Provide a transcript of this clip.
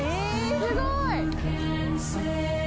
すごい！